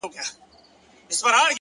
مهرباني د زړونو یخ ویلې کوي؛